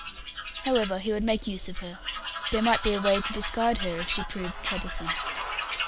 However, he would make use of her. There might be a way to discard her if she proved troublesome.